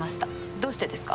どうしてですか？